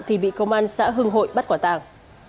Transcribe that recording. thì bị công an xã hưng hội bắt quả tàng